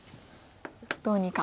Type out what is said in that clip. どうにか。